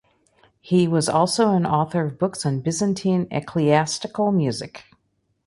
He was also an author of books on Byzantine ecclesiastical music.